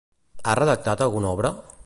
Ha redactat alguna obra?